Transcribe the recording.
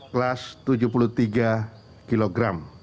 kelas tujuh puluh tiga kg